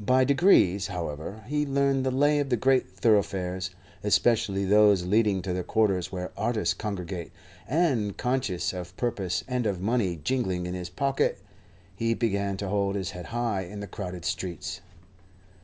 By degrees, however, he learned the lay of the great thoroughfares, especially those leading to the quarters where artists congregate, and, conscious of purpose and of money jingling in his pocket, he began to hold his head high in the crowded streets.